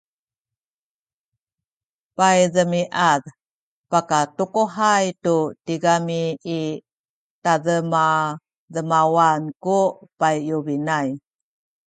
paydemiad pakatukuhay tu tigami i tademademawan ku payubinay